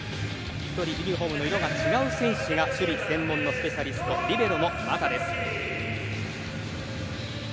１人、ユニホームの色が違う選手が守備専門のスペシャリストリベロ。